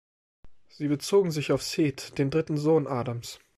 Sie bezogen sich auf Seth, den dritten Sohn Adams.